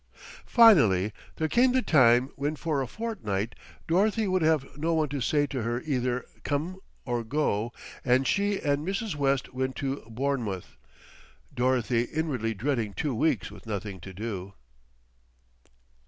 Finally there came the time when for a fortnight Dorothy would have no one to say to her either "come" or "go," and she and Mrs. West went to Bournemouth, Dorothy inwardly dreading two weeks with nothing to do.